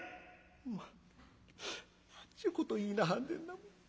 「まあ何ちゅうこと言いなはんねんなもう。